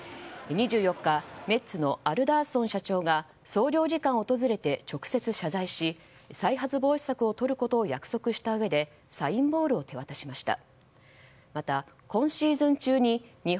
２４日メッツのアルダーソン社長が総領事館を訪れて直接、謝罪し再発防止策をとることを約束したうえでサインボールを手渡しました。